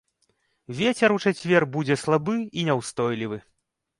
Вецер у чацвер будзе слабы і няўстойлівы.